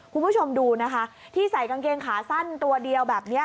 คุณผู้ชมดูนะคะที่ใส่กางเกงขาสั้นตัวเดียวแบบนี้